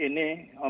kita tidak boleh